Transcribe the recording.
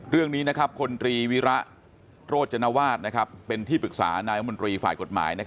เรื่องนี้พลตรีวิระโรจนวาสเป็นที่ปรึกษานายมนตรีฝ่ายกฎหมาย